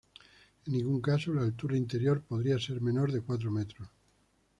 En ningún caso la altura interior podría ser menor de cuatro metros.